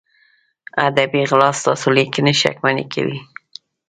ادبي غلا ستاسو لیکنې شکمنې کوي.